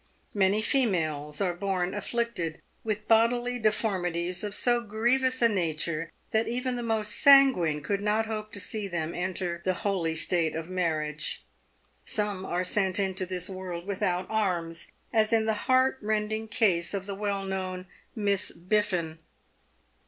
Many females are born afflicted with bodily deformities of so grievous a nature that even the most sanguine could not hope to see them enter the holy state of marriage. Some are sent into this world without arms, as in the heartrending case of the well known Miss Biffin.